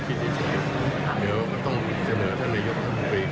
ถ้าเดินทางมากก็จะเป็นปัญหาหนึ่งของกล้าง